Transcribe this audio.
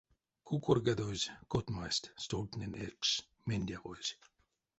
Кукорьгадозь котьмасть, стольтнень экшс мендявозь.